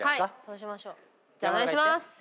じゃあお願いします。